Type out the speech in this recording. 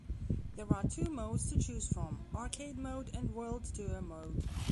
There are two modes to choose from: Arcade Mode and World Tour mode.